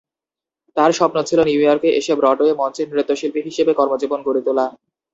তার স্বপ্ন ছিল নিউ ইয়র্কে এসে ব্রডওয়ে মঞ্চে নৃত্যশিল্পী হিসেবে কর্মজীবন গড়ে তোলা।